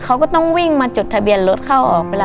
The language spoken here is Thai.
เขาก็ต้องวิ่งมาจดทะเบียนรถเข้าออก